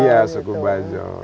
iya suku bajau